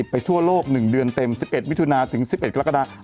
ทั่วโลก๑เดือนเต็ม๑๑มิถุนาถึง๑๑กรกฎา